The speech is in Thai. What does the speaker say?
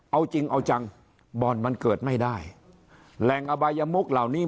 เอาจริงเอาจังบ่อนมันเกิดไม่ได้แหล่งอบายมุกเหล่านี้